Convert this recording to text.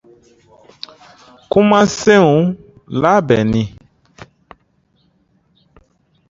Kumasenw labɛnni